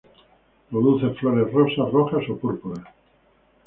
Produce flores rosas, rojas o púrpuras.